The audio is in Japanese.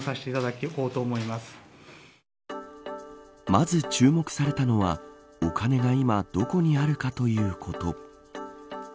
まず注目されたのはお金が今どこにあるかということ。